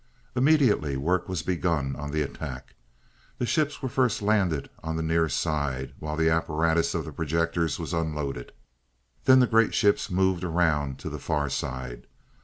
Immediately work was begun on the attack. The ships were first landed on the near side, while the apparatus of the projectors was unloaded, then the great ships moved around to the far side.